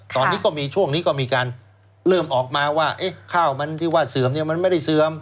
ตอนนี้ก็มีช่วงนี้ก็มีการเริ่มออกมาว่าข้าวมันที่ว่าเสื่อมเนี่ยมันไม่ได้เสื่อม